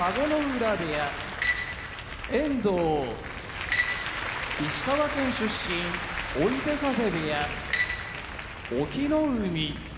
浦部屋遠藤石川県出身追手風部屋隠岐の海